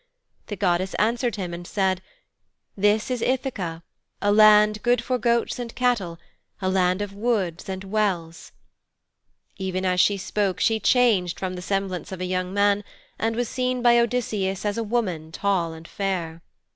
The goddess answered him and said, 'This is Ithaka, a land good for goats and cattle, a land of woods and wells,' Even as she spoke she changed from the semblance of a young man and was seen by Odysseus as a woman tall and fair.